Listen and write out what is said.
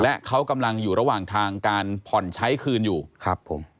และเขากำลังอยู่ระหว่างทางการผ่อนใช้คืนอยู่ครับผม